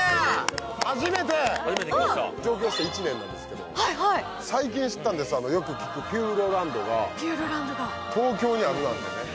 初めて。上京して１年なんですけど最近知ったんですよ、サンリオピューロランドが東京にあるなんてね。